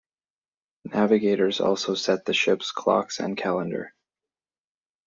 Navigators also set the ship's clocks and calendar.